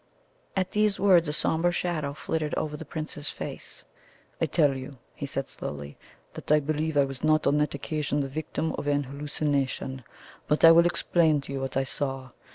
At these words a sombre shadow flitted over the Prince's face. "I tell you," he said slowly, "that I believe I was on that occasion the victim of an hallucination. But I will explain to you what I saw.